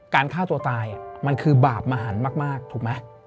ฆ่าตัวตายมันคือบาปมหันมากถูกไหม